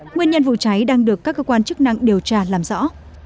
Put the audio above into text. nguyên nhân vụ cháy đang được các cơ quan chức năng điều tra làm rõ